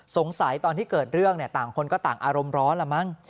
ตอนที่เกิดเรื่องต่างคนก็ต่างอารมณ์ร้อนละมั้ง